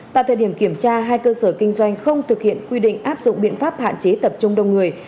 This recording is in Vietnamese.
tại thời điểm kiểm tra hai cơ sở kinh doanh không thực hiện quy định áp dụng biện pháp hạn chế tập trung đông người